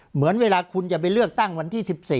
เหมือนเวลาคุณจะไปเลือกตั้งวันที่๑๔